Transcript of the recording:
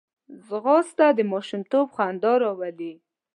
ځغاسته د ماشومتوب خندا راولي